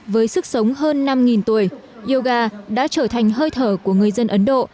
với sức sống hơn năm tuổi yoga đã trở thành hơi thở của người dân ấn độ